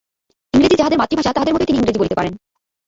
ইংরেজী যাহাদের মাতৃভাষা, তাহাদের মতই তিনি ইংরেজী বলিতে পারেন।